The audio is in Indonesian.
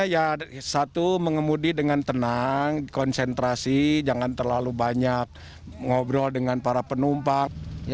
khawatir tanjakan turunan pak